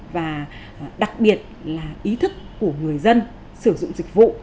và đặc biệt là ý thức của người dân sử dụng dịch vụ